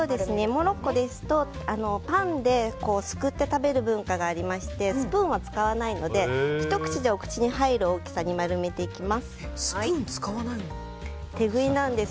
モロッコですと、パンですくって食べる文化がありましてスプーンは使わないのでひと口でお口に入る大きさにスプーン使わないんだ。